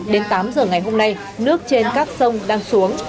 đến tám giờ ngày hôm nay nước trên các sông đang xuống